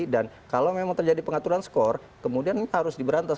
dan kalau memang terjadi pengaturan skor kemudian ini harus diberantas